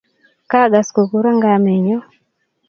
Kagas kokuron kamennyu.